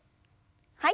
はい。